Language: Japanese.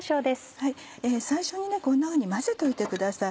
最初にこんなふうに混ぜておいてください。